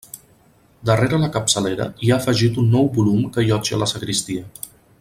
Darrere la capçalera hi ha afegit un nou volum que allotja la sagristia.